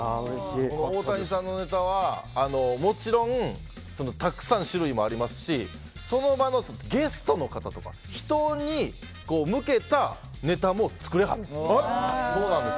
大谷さんのネタは、もちろんたくさん種類もありますしその場のゲストの方とか人に向けたネタも作れはるんです。